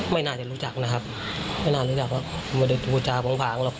ไม่น่าจะรู้จักนะครับไม่น่าจะรู้จักนะครับ